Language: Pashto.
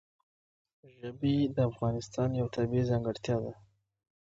ژبې د افغانستان یوه طبیعي ځانګړتیا ده.